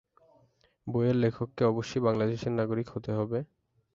বইয়ের লেখককে অবশ্যই বাংলাদেশের নাগরিক হতে হবে।